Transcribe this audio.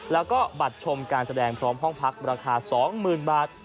แล้วก็บัตรชมการแสดงพร้อมห้องพักราคา๒๐๐๐บาท